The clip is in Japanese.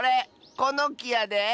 このきやで。